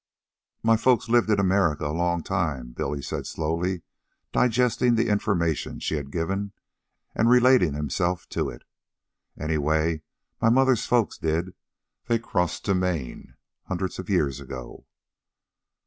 "My folks lived in America a long time," Billy said slowly, digesting the information she had given and relating himself to it. "Anyway, my mother's folks did. They crossed to Maine hundreds of years ago."